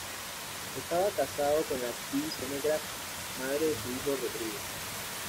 Estaba casado con la actriz Irene Grassi, madre de su hijo Rodrigo.